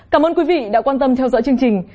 cảm ơn quý vị đã quan tâm theo dõi chương trình